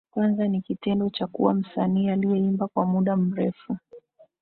Kwanza ni kitendo cha kuwa msanii aliyeimba kwa muda mrefu